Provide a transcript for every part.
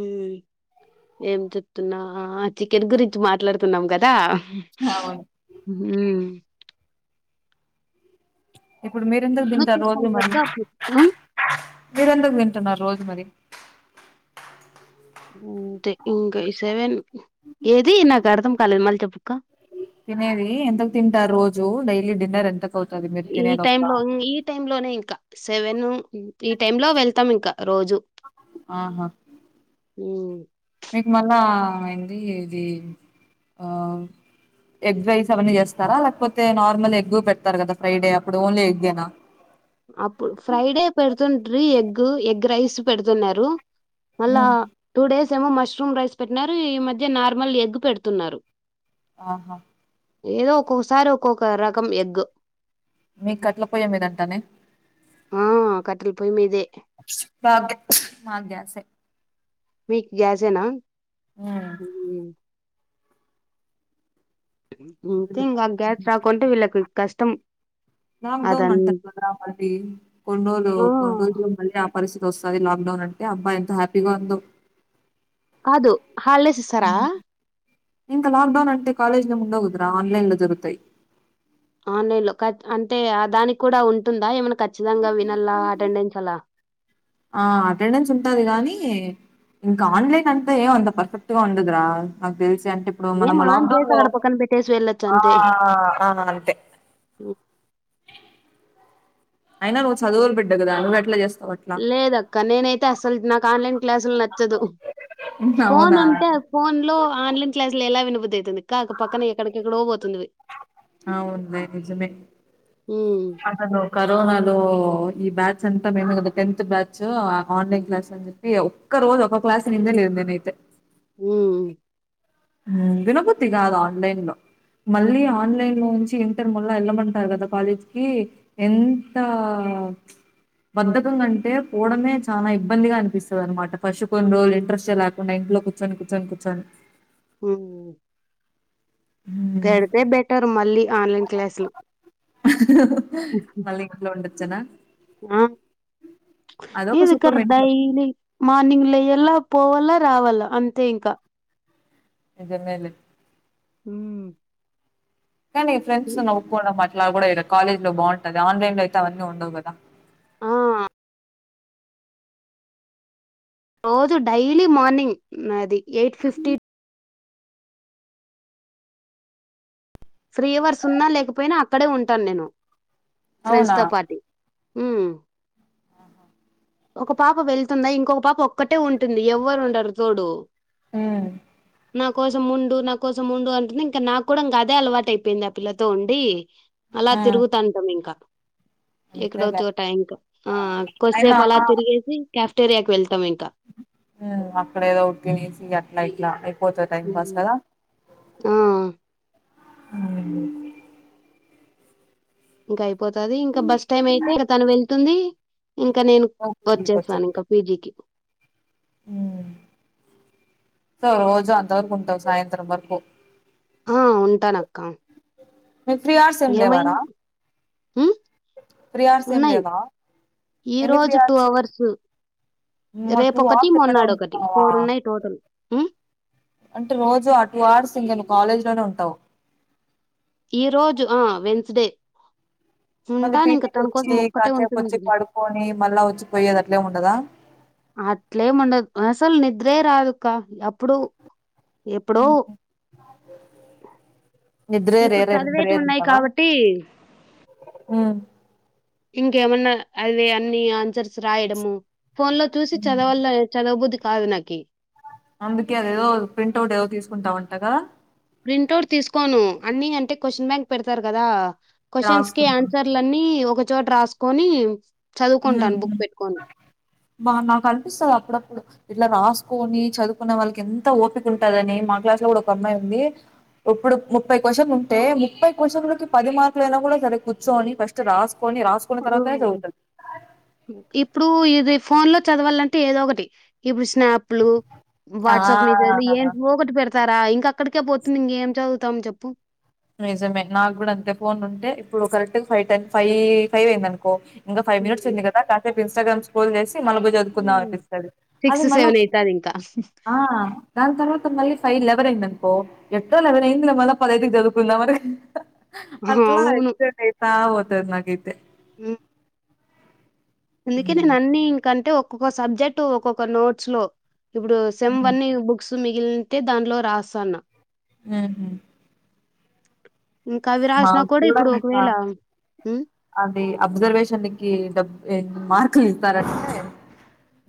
ఊమ్ ఏం చెప్తున్నా చికెన్ గురించి మాట్లాడుతున్నాం కదా హ అవును ఊహ్మ్ ఇప్పుడు మీరెందుకు గుర్తు తింటారు రోజు మళ్ళీ సంక్రాంతి అప్పుడు ఉమ్, మీరెందుకు తింటున్నారు రోజు అ మరి అంటే ఇంకా ఈ సెవెన్ ఏది నాకు అర్థం కాలేదు మళ్ళీ చెప్పుక్క తినేది ఎంతకు తింటారు రోజు డైలీ డిన్నర్ ఎంతకు అవ్ ఈ టైం లో ఈ టైం లోనే ఇంకా సెవెను ఈ టైమ్ లో వెళ్తాం ఇంకా రోజు ఆహా ఉం మీకు మళ్ళ ఆ ఇది ఇది ఆ ఎగ్ రైస్ అవన్నీ చేస్తారా లేకపోతే నార్మల్ ఎగ్ పెడతారు కదా ఫ్రైడే అప్పుడు ఓన్లీ ఎగ్గేనా అప్పుడు ఫ్రైడే పెడుతుంటీ ఎగ్ ఎగ్ రైస్ పెడుతున్నారు అళ ఉమ్ టూ డేస్ ఏమో మష్రూమ్ రైస్ పెట్టిన ఈ మధ్య నార్మల్ ఎగ్ పెడుతున్నారు ఆహా ఏదో ఒక్కొక్కసారి ఒక్కొక్క రకం ఎగ్ మీకు అట్ల పోయా మీదంటానే ఆ కటలు పోయ్యమదే భా గ్యా మా గ్యాసే మిక్ గ్యాసేనా హు హుమ్ ముఖ్యంగా ఉమ్ గ్యాస్ రాకుంటే వీళ్ళకి కష్టం లాక్ డౌన్ అదన్ అంటా. కదా అది కొండ్రోలు ఆ కొన్ రోజులు మళ్ళీ పరిస్థితి వస్తది లాక్ డౌన్ అంటే. అబ్బ ఎంత హ్యాపీగా ఉందో. కాదు హల్డేస్ ఇస్తారా ఇంకా లాక్డౌన్ అంటే కాలేజ్ల్ ఏంముండగదరా ఆన్లైన్ లో జరుగుతాయి. ఆన్లైన్ లో కాద్ అంతే దానికి కూడా ఉంటుందా. ఏమైనా ఖచ్చింగా వినల్ అటెండెన్ అల్లా ఆ అటెండెన్స్ ఉంటది. గానీ ఇంకా ఆన్లైన్ అంతే ఏం అంత పర్ఫెక్ట్ గా ఉండదురా నాక్ తెలుస్ అంటే ఇప్పుడు ఏం మనము ఆన్ లాక్డౌన్ చేసి లో అక్కడ పక్కన పెట్టేసి వెళ్ళొచ్చు అంతే ఆహ్ ఆ అంతే హ్మ్. అయినా నువ్వు చవులు బిడ్డ కదా నువ్వు ఎట్లా చేస్తవ్ లేదక్క నేనైతే అస్సలు నాకు ఆన్లైన్ క్లాసులు నచ్చదు. ఫోన్ అవునా! ఉంటే ఫోన్ లో ఆన్లైన్ క్లాసులు ఎలా వినబుద్ధయితది. కక్ పక్కన ఎక్కడకేక్కడో పోత్ తుందువి అవును లే నిజమే ఉమ్ అసలు కరోనాలు ఈ బ్యాచ్ అంతా మేము ఓగా టెన్త్ బ్యాచ్ ఆన్లైన్ క్లాస్ అని చెప్పి ఒక్క రోజు ఒక క్లాస్ వినిందే లేదు. నేనైతే ఉహ్ హు ఉహ్ వినబొద్ధి కాదు. ఆన్లైన్ లో మళ్ళీ ఆన్లైన్ లో నుంచి ఇంటర్ మళ్ళ వెళ్ళమంటారు కదా కాలేజీ కి ఎంత. ఆహ్ బద్ధకంటే పోవడమే చాలా ఇబ్బందిగా అనిపిస్తది అనమాట. ఫస్ట్ కొన్ని రోజులు ఇంట్రెస్టే లేకుండా ఇంట్లో కూర్చొని కూర్చొని కూర్చొని హుహ్ పెడితే బెటర్ మళ్ళీ ఆన్లైన్ క్లాసులు. ఉహ్ హు చ్చనా ఆహ్ అదొక ఇది సుఖం కార్ద ఇంట్లో ఈలి మార్నింగ్ లేయా అలా పోవాల రావాల అంతే ఇంకా నిజమే లే ఉహ్మ్ కానీ ఫ్రెండ్స్ తో నవ్వుకోన్నాం అట్లా కూడా కాలేజ్ లో బాగుంటది. ఆన్లైన్ లో అయితే అవన్నీ ఉండవు కదా. ఆహ్ రోజు డైలీ మార్నింగ్ నాది ఎయిట్ ఫిఫ్టీ త్ ఫ్రీ అవర్స్ ఉన్నా లేకపోయినా అక్కడే ఉంటాను. నేను ఫ్రెండ్స్ అవునా తో పాటీ హ్మ్మ్ ఒక పాప వెళ్తుందా ఇంకొక పాప ఒక్కటే ఉంటుంది ఎవ్వరు ఉండరు తోడు ఆ నా కోసం ఉండు నా కోసం ఉండు అంటునే ఇంకా నాకు కూడా ఇంకా అదే అలవాట్ అట్ అయిపోయింది ఆ పిల్లతో ఉండి అలా ఉమ్ తిరుగుతంటిమి ఇంకా అంతేలే ఎక్కడవుతదొ టైమ్ ఆ కొద్దీ అయినా సేపు అలా తిరిగేసి కఫ్టేరియాకి వెళ్తాం ఇంకా ఉమ్ పోతది టైం పాస్ ఉమ్. కదా ఆ ఆ ఇంకా అయిపోతది ఇంకా బస్ టైమ్ అయితే ఇంకా తను వెళ్తుంది ఇంకా నేను ఓకే, వచ్చేసాను ఇంకా పీజికి స రోజు అంతవరకు ఉంటావు సాయంత్రం వరకు ఆ ఉంటానక్క [inaudible] అవర్స్ ఏం ఏమైనా లేవారా హు ఫ్రీ అవర్స్ ఏం ఉన్నాయి లేవా ఎన్ని ఫ్రీ ఈరోోజు టూ అవర్స్ మా రేపు టూ ఒకటి అవర్స్ ఎక్కడ మొన్నాడు ఒకటి ఉంటున్నావా ఫోర్ ఉన్నాయి టోటల్ హు అంటే రోజు ఆ టూ అవర్స్ ఇంకా నువ్వు కాలేజ్ లోనే ఉంటావు ఈ రోజు ఆ వెన్స్డే మళ్ళీ పీటీకి వచ్చి కాసేపు ఉంటుంది. వచ్చి పడుకొని మళ్ళా వచ్చిపోయేది అట్లే ఉండదా అట్లేం ఉండదు అసలు నిద్రే రాదు క్క అప్పుడు ఎప్పుడో నిద్రే ఇప్పుడు రేర్ చదివేటివి రేర్ ఉన్నాయి అంటావా కాబట్టి ఉమ్ ఇంకేమన్నా అదే అన్నిీ అన్సర్స్ రాయడము ఫోన్ లో చూసి చదవల చదవుబుద్ధి కాదు నాకి అందుకే అది ఏదో ప్రింట్ అవుట్ ఏదో తీసుకుంటావుంటగా ప్రింట్ అవుట్ తీసుకోను అన్ని అంటే క్వశ్చన్ బ్యాగ్ పెడతారు కదా క్వశ్చన్స్ కి రాసుకుంటాం ఆన్సర్లన్నన్ని ఒక చోట రాసుకొని హా చదువుకుంటాను బుక్ పెట్టుకొని బా నాకు అనిపిస్తది అప్పుడప్పుడు ఇట్లా రాసుకొని చదువుకునే వాళ్ళకి ఎంత ఓపిక ఉంటదని మా క్లాస్ లో కూడా ఒక అమ్మయి ఉంది ఇప్పుడు ముప్పై క్వశ్చన్లు ఉంటే ముప్పై క్వశ్చన్లకి పది మార్కులు అయినా కూడా సరే కూర్చోని ఫస్ట్ రాసు కొని రాసుకున్న తర్వాత హ్మ్. చవుతది ఇప్పుడు ఇది ఫోన్ లో చదవాలంటే ఏదో ఒకటి ఇప్పుడు స్నాప్ లు వాట్సాప్ మీద ఆ ఏంటివో ఒకటి పెడత చుస్తారా ఇంకా అక్కడికే పోతుంది ఇంగా ఎం చదువు చదువుతం చెప్పు నిజమే నాకు కూడా అంతే ఫోన్ ఉంటే ఇప్పుడు correct five ten five five అయింది అనుకో ఇంకా ఫైవ్ మినిట్స్ హ్మ్ ఉంది కదా ఇంస్టాగ్రామ్ స్ల్ మలబోయి చదువుకుందా హ్మ్. అనిపిస్తుంది అది సిక్స్ మళ్ళ సెవెన్ అయితాది ఇంకా దాని తర్వాత మళ్ళ ఫై లెవెందినుకో ఎటో లెవ పది ఇంటికీచదువుకుంటాం చదువు కుందామని అట్లా అ అవును అయితా పోత ఉంటది నాకైతే హ్మ్. అందుకే నేను హ్మ్. అన్ని ఇంకంటే ఒక ఒక్కొక్క సబ్జెక్ట్ ఒక్కొక్క నోట్స్ లో ఇప్పుడు సెమ్ హ్మ్. వన్ బుక్స్ మిగిలితే దానిలో రాసాను ఆహా ఇంకా అవి మా రాసినా కూడా ఇప్పుడు ఇంకా ఒకవేళ హ్మ్ అది అబ్జర్వేషన్కి డబ్ మార్కులు ఇస్తారంటే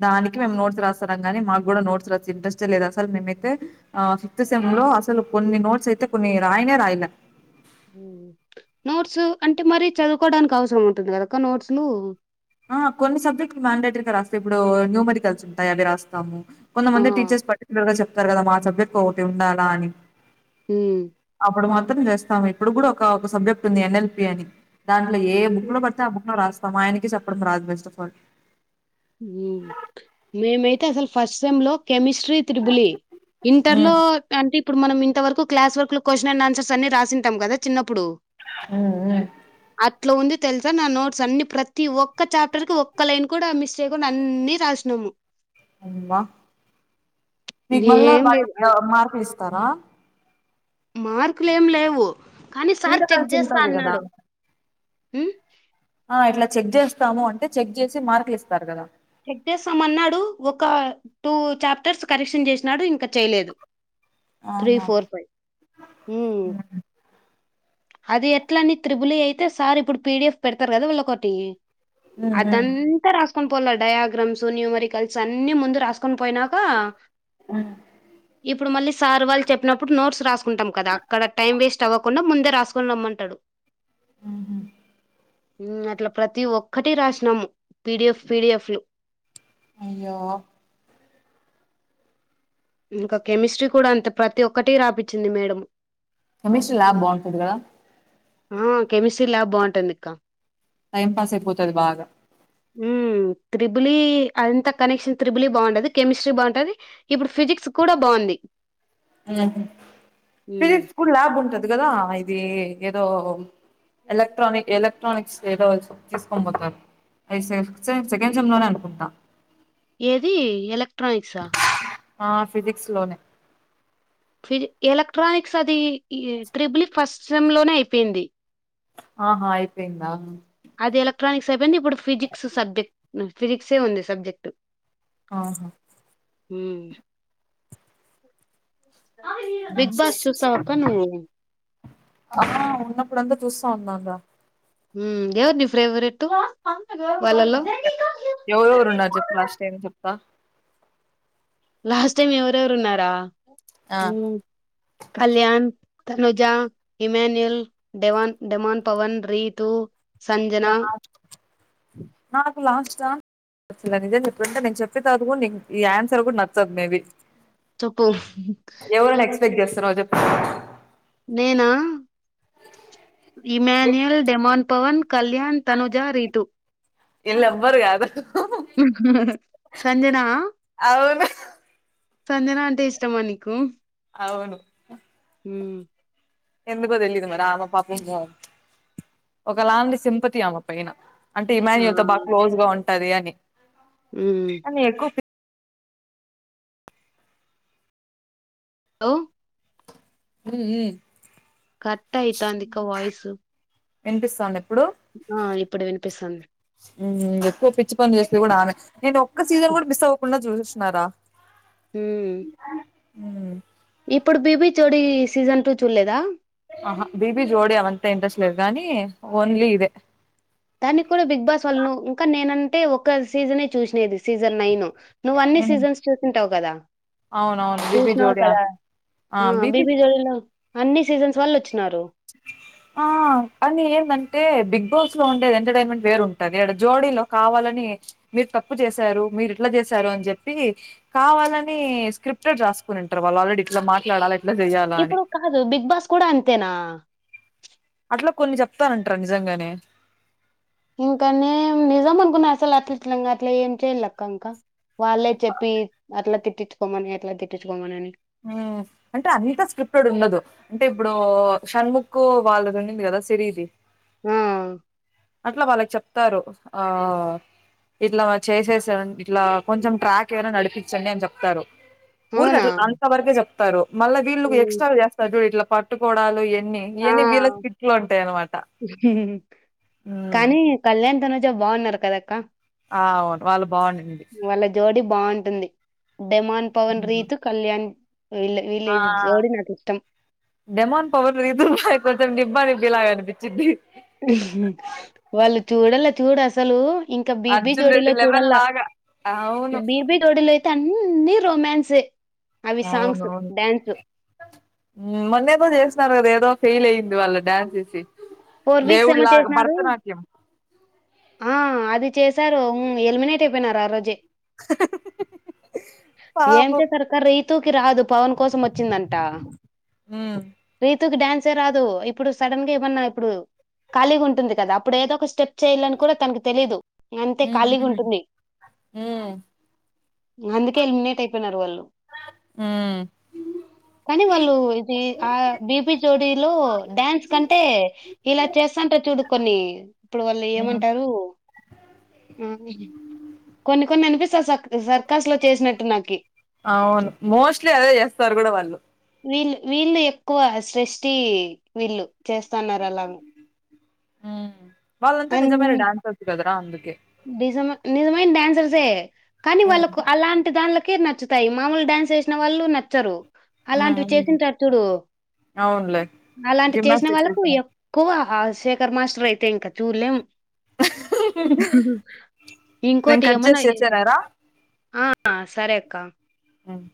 దానికి మేము నోట్స్ రాస్తారా కాని మాకు కూడా నోట్స్ రాసి ఇంట్రెస్టే లేదు అసలు మేమైతే ఆ ఫిఫ్త్ సెమ్ లో అసలు కొన్ని నోట్స్ అయితే కొన్ని రాయనే రాయలే నోట్స్ అంటే మర చదువుకోవడానికి అవసరం ఉంటుంది కదా అక్క నోట్స్లు ఆ కొన్ని సబ్జెక్ట్ మ్యాండేటరీగా రాస్తాయి ఇప్పుడు న్యూ మెడికల్స్ ఉంటాయి అవి రాస్తాము కొంత ఆ మంది టీచర్స్ పర్టికులర్ గా చెప్ప తరూ కదా మా సబ్జెక్ట్ ఒకటి ఉండాలా అని హ్మ్ అప్పుడు మాత్రం చేస్తాము ఇప్పుడు కూడా ఒక సబ్జెక్ట్ ఉంది ఎన్ఎల్పి అని దాంట్లో ఏ బుక్ లో పడితే ఆ బుక్ లో రాస్తాం ఆయనకి చె పప్పుడు రాజ బెస్ట్ ఆఫ్ ఆల్ మేమైతే అసలు ఫస్ట్ సెమ్ లో కెమిస్ట్రీ త్రిబులి ఉమ్ ఇంటర్లో అంటే ఇప్పుడు మనం ఇంతవరకు క్లాస్ర్క్ లో క్వశ్చన్ండ్ ఆన్సర్స్ అన్ని రాసింటాం కదా చిన్నప్పుడు హు ఇట్లా ఉంది తెలుసా నా నోట్స్ అన్ని ప్రతి ఒక్క చాప్టర్ కి ఒక్క లైన్ కూడా మిస్ చేయకుండా అన్ని రాసినాము అబ మీగ మల్ ఏం బాటి లేదు మార్పిస్త తారా మార్కులుం లేవు కానీ సార్ ఇంకా నా చెక్ చేస్తా చింతది కదా అన్నాడు హ్మ్ అట్లా చెక్ చేస్తాము అంటే చెక్ చేసి మార్క్ లు ఇస్తారు చెక్ చేస్తామన్నాడు ఒక టూ చాప్టర్స్ కరెక్షన్ చేసినాడు ఇంకా చేయలేదు త్రీ ఆహా ఫోర్ ఫైవ్ ఉమ్ అది ఎట్ల అని త్రిబులి అయితే సార్ ఇప్పుడు పీడిఎఫ్ పెడతారు కదా వీళ్ళ ఒకటి అదంతా రాస్ కొన్ పోలా డయాగ్రమ్స్, న్యూమరికల్స్ అన్ని ముందు రాసుకొన్ పోయినాక ఇప్పుడు, మళ్ళీ సార్ వాళ్ చెప్పినప్పుడు, నోట్స్ రాసుకుంటాం కదా. అక్కడ టైం వేస్ట్ అవ్వకుండా ముందే రాసుకొన్ రమ్మంటాడు ఊ హ మ్ అట్లా ప్రతి ఒక్కటి రాసినాము. పీడిఎఫ్ పీడిఎఫ్లు అయ్యో ఇంకా కెమిస్ట్రీ కూడా అంత ప్రతి ఒక్కటి రాపచ్చింది మేడం కెమిస్ట్రీ ల్యాబ్ బాంటుంది గదా ఆ కెమిస్ట్రీ ల్యాబ్ బాంటుందిక్క టైం పాస్ అయిపోతది బాగా హ్మ్ త్రిబులి అంత కనెక్షన్ త్రిబులి బాండది, కెమిస్ట్రీ బాంటది ఇప్పుడు ఫిజిక్ హ్ హు హ్మ్ ఫిజిక్స్కూడా ల్యాబ్ ఉంటది ది గదా ఇది ఏదో ఎలక్ట్రానిక్ ఎలక్ ట్రానిక్స్ ఏదో చ్ తీసుకోన్బోతారు. ఐసేఫ్ సేమ్ సెకండ్ సెమ్ లోనే అంటుకుంటా ఏది ఎలెక్ట్రానిక్సా ఆ ఫిజిక్స్ లోనే ఫిజిక్ ఎలక్ట్రానిక్స్ అది ఈ ట్రిబుల్ యి ఫస్ట్ సెమ్ లోనే అయిపేంది ఆహా అయిపేందా అది ఎలక్ట్రానిక్స్ప్ పెంది ఇప్పుడు ఫిజిక్స్ సబ్జెక్ట్ ఫిజిక్సే ఉంది సబ్జెక్ట్ ఆహా హ్మ్ బిగ్ బాస్ చూస్తావక్క నువ్వు ఆ ఉన్నప్పుడంతా చూస్తా ఉన్నన్ రా మ్ ఎవర్ ని ఫేవరెట్టు ఎవరవరు ఉన్నార్ జెప్పు లా స్ట్ టైం జెప్తా లాస్ట్ టైం ఎవరెవరున్నారా ఆ కళ్యాణ్ తనుజ, ఇమ్యాన్యుయల్, డెవాన్ డెమాన్ పవన్, రీతు సంజనా పుతున్న నిజంచెప్తుంటే నేన్ చెప్పిన తరువాత గుడ్ ఈ ఆన్సర్ కూడా నచ్చద్ మేబీ చెప్పు ఎవరైన ఎక్స్‌పెక్ట్ జేస్సర జెప్ నేనా ఇమాన్యుయల్, డెమాన్ పవన్ కళ్యాన్ ఇల్ ఎవ్వర్ గాదు సంజనా అవును సంజనా అంటే ఇష్టమా నీకు? అవును ఉమ్ ఎందుకో తెలీయదు మరి ఆమ పాపం ఒక లాంటి సింపతి ఆమ పైన. అంటే ఆ, ఇమాన్యుూల్తో బాగా క్లోజ్ గా ఉం అదే అండి. ఉమ్ లో ఉమ్ ఉమ్ కట్ అయితాందిక్క వయిసు. వినిపిస్థాంద ఇప్పుడు? ఆ ఇప్పుడు వినిపిస్తుంది. ఉమ్ ఎక్కువ పిచ్చి పనులు చేస్తే కూడా ఆమె నేను ఒక సీసన్ కూడ మిస్ అవకుండా జూడు బారా ఉమ్ ఉమ్ ఇప్పుడు బీబీ జోడీ సీజన్ టూ చూడలేదా? ఆహా, బిబి జోడి అవంటే ఇంట్రెస్ట్ లేదు గానీ ఓన్లీ ఇవె. దానిక్ కూడా బిగ్ బాస్ వాళ్ణూ ఇంకా నేనంటే ఒక సీజనే చూసినేది సీజన్ నైన్. నువన్నీ సీజన్స్ చూసిన్ తవ్ కదా. అవునవును బీబీ జోడి ఆ బిబి జోడిలో అన్ని సీజన్స్ వల్లోచ్చి ఆ అని ఏందంటే బిగ్ బిగ్ బాస్ లో ఉండె ఎంటర్టైన్మెంట్ వేరుంటంది ఆడ జోడీలో కావాలని మీరు తప్పు చేశారు, మీరు ఇట్లా చేశారు అని చెప్పి, కావాలని స్క్రిప్టడ్ రాసుకునింటరు వాళ్ళు ఆల్రెడీ ఇట్లా మాట్లాడాల ఇప్పుడు కాదు బిగ్ బాస్ కూడా అంతేనా. అట్ల కొన్ని చెప్తారంటర నిజంగానే. ఇంకనేం నిజం అనుకున్నా అసలు అలిట్లంగా అట్లే ఏం చెయ్యాలక్క ఇంకా, వాళ్ళే చెప్పి అట్ల తిట్టించుకోమని అట్లా తిట్టించుకోమని అని. ఉమ్, అంటే అంత స్క్రిప్టెడ్ ఉండదు అంటే ఇప్పుడు షణ్ముక్ వాళ్ళది ఉండింది కదా సిరి ఇది ఆ! అట్లా వాళ్ళకి చెప్ చెప్తారు ఆ ఇట్లా చేసేసెన్ ఇట్లా కొంచెం ట్రాక్ ఐ నా నడిపించండి అని చెప్తారు. అవునా వరకె జప్తారు మళ్ళ వీళ్ళు హ్మ్. ఎక్స్ట్రాల్ జేస్తార్ చూడు ఇట్ల పట్టుకోడాలు ఆ హ్మ్. కానీ కళ్యాన్ తన్ చెం బాగున్నారు కద అక్కా ఆ అవును వాళ్ళు బాగుండింది జోడి బాగుంటుంది డెమాన్ పవన్ హ్మ్. రీతు కళ్యాణ్ వీళ్ వీళ్ళ ఆ! జోడి నాకు ఇష్టం రీతూ అయిపోతేం నిబ్బా నిబ్బి లాగా అనిపించింది వాళ్ళు చూడలా చూడు అసలు ఇంకా బీబీ 'అర్జున్ జోడీలో రెడ్డి' లెవెల్ చూడల్లా లాగా. అవును. బీబీ జోడిలో అయితే అన్ ఇన్నిీ రొమాన్స్ ఏ అవునవును మొన్న ఏదో చేస్తున్నారు కదా ఏదో ఫెయిల్ అయయిింది వాళ్ళ డ్యాన్స్ చేసి ఫోర్ వీక్స్ ఏమో దేవుళ్ళ చేసినారు భరతనాట్యం ఆ అది చేస్ సారూ హు ఎలిమినేట్ అయిపోయినారు ఆ రోజే ఏం పాపం చేసారు అక్క రీతూ కి రాదు పవన్ కోసం వచ్చిందంట హ్మ్. రీతుకి డ్యాన్ ే రాదు ఇప్పుడు సడన్ గా ఏమన్నా ఇప్పుడు ఖాళీగా ఉంటుంది కదా అప్పుడు ఏదో ఒక స్టెప్ చేయాలని కూడా తనకి తెలిదు అంతే హ్మ్. ఖాళీగా హ్మ్. ఉంటుంది హ్మ్. అందుకే ఎలిమినేట్ అయిపోయినారు వాళ్ళు హ్మ్. కానీ వాళ్ళు ఇది ఆ బిపి జోడీలో డ్యాన్స్ కంటే ఇలా చేస్తాంట చూడు కొన్ని ఇప్పుడు వాళ్ళు హ్మ్. ఏమంటారు ఆ కొన్ని కొన్ని కనిపిస్తా సర్కస్ లో చేసినట్టు నాకి అవును మోస్ట్లీ అదే చేస్తారు కూడా వాళ్ళు వీళ్ళ వీళ్ళు ఎక్కువ శ్రేష్టి వీళ్ళు చేస్తన్నారు అలాగ ఆ అ నిజ నిజమైన డ్యాన్సర్సే కానీ హ్మ్. వాళ్ళకు అలాంటి దాం కిర్ నచ్చుతాయి మామూలు డ్యాన్స్ వేసిన వాళ్ళు నచ్చరు హ్మ్. అలాంటివి హ్మ్. చేసింటారు చూడు అవునులే అలాంటి చేసిన జిమ్నాస్టిక్స్ వాళ్ళకు చేసాను ఎక్కువ ఆ శేఖర్ మాస్టర్ అయితే ఇంక చూలేం నేను ఇంకోటి కట్ ఏమన్న చేసి చేసానారా ఆ ఆ సరే అక్క ఉమ్